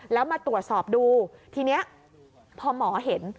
แล้วมาตรวจสอบดูทีนี้พอหมอเห็น